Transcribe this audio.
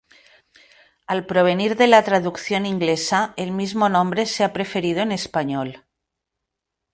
Al provenir de la traducción inglesa el mismo nombre se ha preferido en español.